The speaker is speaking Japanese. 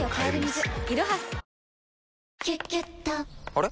あれ？